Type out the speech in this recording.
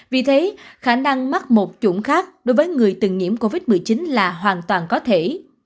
vì thế khả năng mắc một chuẩn khác đối với người từng nhiễm covid một mươi chín là hoàn toàn có thể